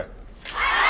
はい！